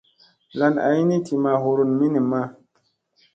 Lan ay ni ti ma hurun minimma.